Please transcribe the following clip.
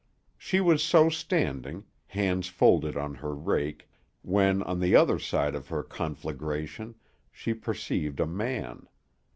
She was so standing, hands folded on her rake, when, on the other side of her conflagration, she perceived a man.